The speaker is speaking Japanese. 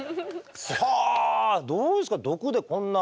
はあどうですか毒でこんな。